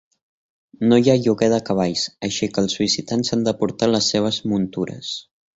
No hi ha lloguer de cavalls, així que els visitants han de portar les seves muntures.